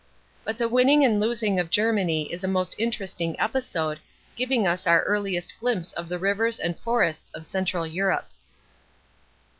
But the winning and losing of Germany is a most interest ing episode, giving us our earliest glimpse of the rivers and forests of central Europe.